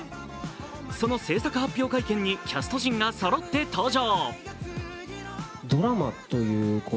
その制作発表会見にキャスト陣がそろって登場。